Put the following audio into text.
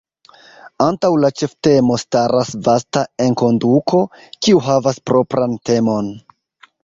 Antaŭ la ĉeftemo staras vasta enkonduko, kiu havas propran temon.